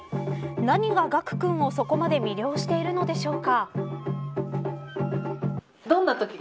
何が岳玖君を、そこまで魅了しているのでしょうか。